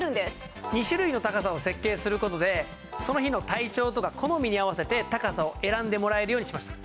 ２種類の高さを設計する事でその日の体調とか好みに合わせて高さを選んでもらえるようにしました。